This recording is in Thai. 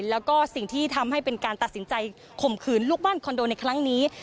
แล้วก็สิ่งที่ทำให้เป็นการตัดสินใจข่มขืนลูกบ้านคอนโดในครั้งนี้